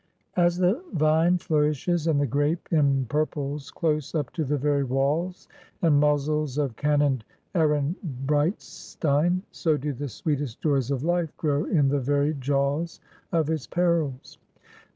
As the vine flourishes, and the grape empurples close up to the very walls and muzzles of cannoned Ehrenbreitstein; so do the sweetest joys of life grow in the very jaws of its perils.